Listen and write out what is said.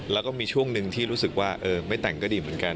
แล้วก็มีช่วงหนึ่งที่รู้สึกว่าไม่แต่งก็ดีเหมือนกัน